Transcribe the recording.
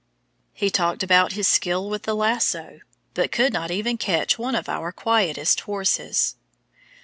He talked about his skill with the lasso, but could not even catch one of our quietest horses.